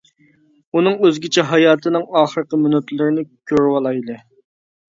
ئۇنىڭ ئۆزگىچە ھاياتىنىڭ ئاخىرقى مىنۇتلىرىنى كۆرۈۋالايلى.